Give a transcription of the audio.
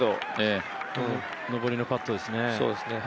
上りのパットですね。